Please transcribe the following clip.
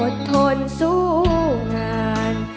ทนสู้งาน